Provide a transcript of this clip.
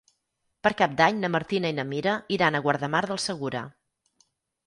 Per Cap d'Any na Martina i na Mira iran a Guardamar del Segura.